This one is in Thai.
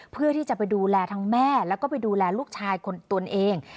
เพื่อที่จะไปดูแลทั้งแม่แล้วก็ไปดูแลลูกชายตนเอง